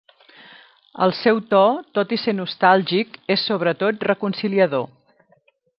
El seu to, tot i ser nostàlgic, és sobretot reconciliador.